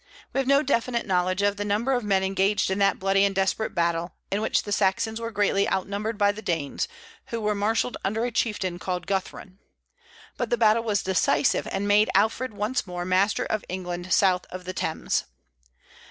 We have no definite knowledge of the number of men engaged in that bloody and desperate battle, in which the Saxons were greatly outnumbered by the Danes, who were marshalled under a chieftain called Guthrun. But the battle was decisive, and made Alfred once more master of England south of the Thames.